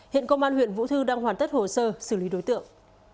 hiện công an huyện vũ thư đang hoàn tất hồ sơ xử lý đối tượng